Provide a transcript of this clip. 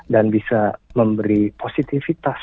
dan bisa memberi positifitas